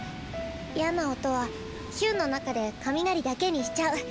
嫌な音はヒュンの中で雷だけにしちゃう。